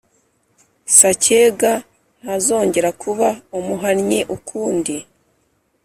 Sacyega ntazongere kuba umuhannyi ukundi